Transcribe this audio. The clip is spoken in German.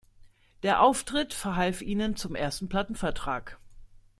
Der Auftritt verhalf ihnen zum ersten Plattenvertrag.